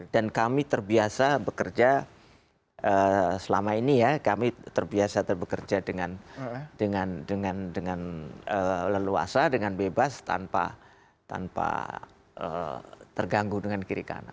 dan kami terbiasa bekerja selama ini ya kami terbiasa bekerja dengan leluasa dengan bebas tanpa terganggu dengan kiri kanan